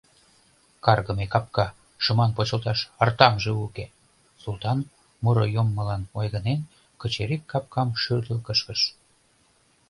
«Каргыме капка, шыман почылташ артамже уке!» — Султан, муро йоммылан ойганен, кычырик капкам шӱрдыл кышкыш.